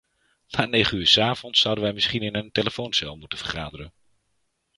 Na negen uur 's avonds zouden wij misschien in een telefooncel moeten vergaderen!